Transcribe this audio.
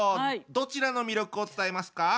どちらの魅力を伝えますか？